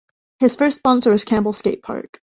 His first sponsor was Campbell Skate Park.